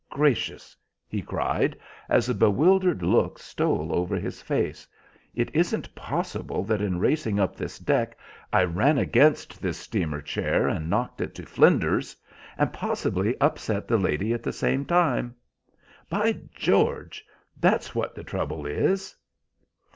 Gracious!" he cried, as a bewildered look stole over his face, "it isn't possible that in racing up this deck I ran against this steamer chair and knocked it to flinders, and possibly upset the lady at the same time? By George! that's just what the trouble is."